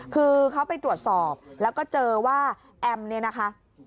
คือเขาไปตรวจสอบแล้วก็เจอว่าแอมเนี่ยนะคะ